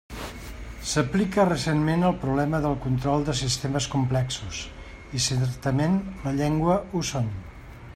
S'aplica recentment al problema del control de sistemes complexos, i certament les llengües ho són.